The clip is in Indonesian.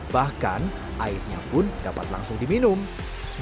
bahkan airnya pun dapat langsung diminum